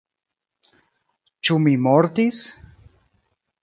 Ĉu mi mortis?